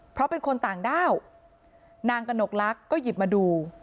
เพราะเป็นคนต่างด้าวนางกระหนกลักษณ์ก็หยิบมาดู